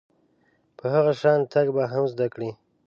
په هغه شان تګ به هم زده کړئ .